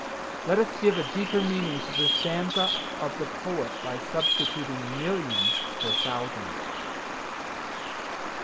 Let us give a deeper meaning to the stanza of the poet by substituting "million" for "thousand."